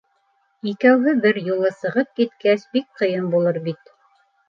Икәүһе бер юлы сығып киткәс, бик ҡыйын булыр бит.